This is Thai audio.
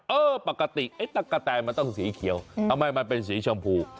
อื้อปกติตากะแทนมันต้องสีเขียวไม่มันเป็นสีชมพู